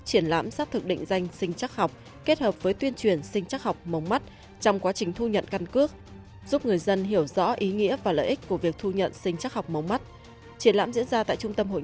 chiến lãm diễn ra tại trung tâm hội nghị quốc gia tp hà nội